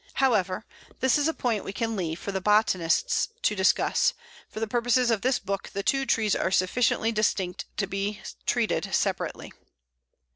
However, this is a point we can leave for the botanists to discuss; for the purposes of this book the two trees are sufficiently distinct to be treated separately.